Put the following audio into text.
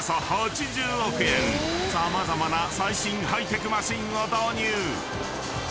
［様々な最新ハイテクマシンを導入］